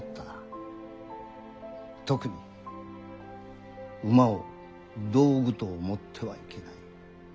特に馬を道具と思ってはいけない。